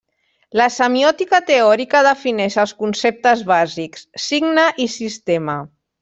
La semiòtica teòrica defineix els conceptes bàsics: signe i sistema.